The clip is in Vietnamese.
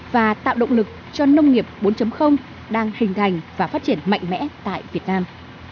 và tạo động lực cho nông nghiệp bốn đang hình thành và phát triển mạnh mẽ tại việt nam